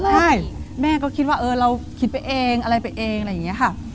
ใช่แม่ก็คิดว่าเออเราคิดไปเองอะไรไปเองอะไรอย่างนี้ค่ะ